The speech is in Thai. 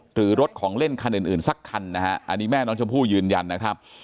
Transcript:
หรือรถของเล่นคันอื่นสักคันนะฮะอันนี้แม่น้องชมพู่ยืนยันนะครับ